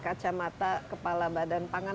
kacamata kepala badan pangan